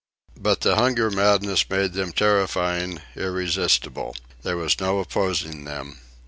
But the hunger madness made them terrifying, irresistible. There was no opposing them.